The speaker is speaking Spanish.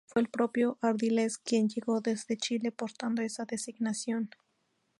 Fue el propio Ardiles quien llegó desde Chile portando esa designación.